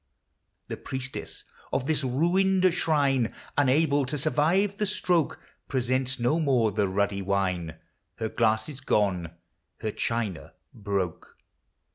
The Priestess of this ruined shrine, Unable to survive the stroke, Presents no more the ruddy wine, — Her glasses gone, her china broke.